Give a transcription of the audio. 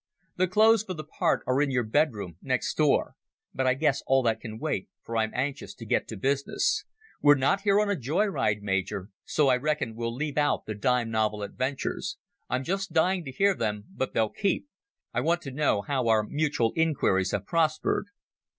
The clothes for the part are in your bedroom next door. But I guess all that can wait, for I'm anxious to get to business. We're not here on a joy ride, Major, so I reckon we'll leave out the dime novel adventures. I'm just dying to hear them, but they'll keep. I want to know how our mutual inquiries have prospered."